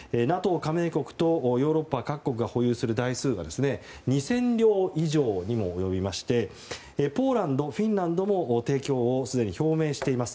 加盟国とヨーロッパ各国が保有する台数が２０００両以上にも及びましてポーランド、フィンランドもすでに提供を表明しています。